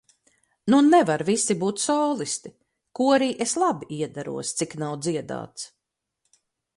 Nu nevar visi būt solisti, korī es labi iederos, cik nav dziedāts.